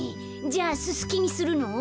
じゃあススキにするの？